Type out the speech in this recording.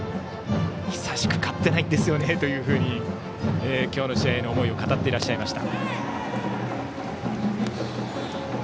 久しく勝ってないんですねと今日の試合の思いを語っていらっしゃいました。